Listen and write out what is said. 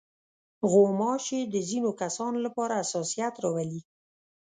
غوماشې د ځينو کسانو لپاره حساسیت راولي.